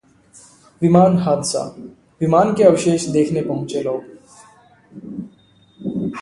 विमान हादसा: विमान के अवशेष देखने पहुंचे लोग